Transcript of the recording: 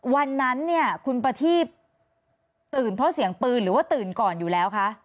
วันนั้นเนี่ยคุณประทีบตื่นเพราะเสียงปืนหรือว่าตื่นก่อนอยู่แล้วคะ